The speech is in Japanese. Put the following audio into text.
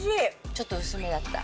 ちょっと薄めだった。